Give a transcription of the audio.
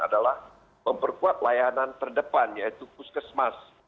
adalah memperkuat layanan terdepan yaitu puskesmas